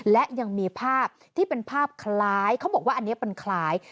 และยังมีภาพที่เป็นภาพคล้ายเขาบอกว่าอันนี้มันคล้าย